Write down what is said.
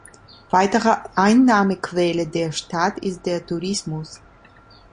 Weitere Einnahmequelle der Stadt ist der Tourismus.